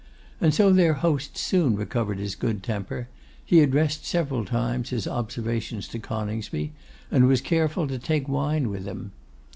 And so their host soon recovered his good temper; he addressed several times his observations to Coningsby, and was careful to take wine with him.